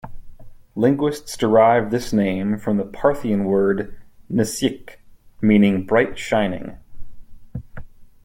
Linguists derive this name from the Parthian word "Ns'yk" meaning "bright, shining".